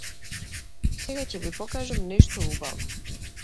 Сега ќе ви покажам нешто убаво.